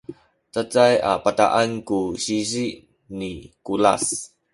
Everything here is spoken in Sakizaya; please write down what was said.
cacay a bataan ku sizi ni Kulas